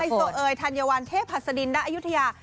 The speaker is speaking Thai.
โซเอยธัญวัลเทพหัสดินณอายุทยา